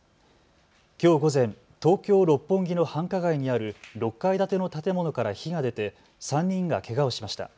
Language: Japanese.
きょう午前、東京六本木の繁華街にある６階建ての建物から火が出て３人がけがをしました。